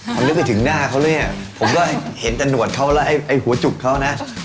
คำนึกไปถึงหน้าเค้าเนี่ยผมก็เห็นแต่หนวดเค้าแล้วไอ้หัวจุกเค้านะ